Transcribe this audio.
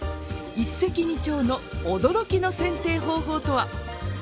一石二鳥の驚きの剪定方法とは？